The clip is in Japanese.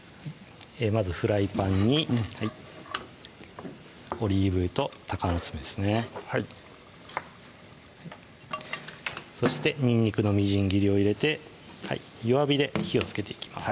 まずフライパンにオリーブ油とたかのつめですねはいそしてにんにくのみじん切りを入れて弱火で火をつけていきます